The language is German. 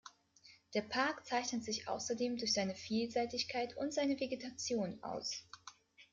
Der Park zeichnet sich außerdem durch seine Vielseitigkeit und seine Vegetation aus.